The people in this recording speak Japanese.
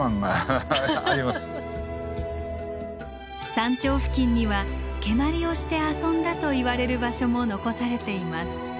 山頂付近には蹴鞠をして遊んだといわれる場所も残されています。